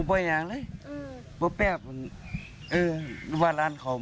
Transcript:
ผมไม่ไข้คนไตลง